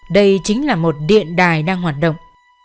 đây chính là một điện đài đang hoạt động